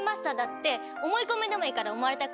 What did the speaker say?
思い込みでもいいから。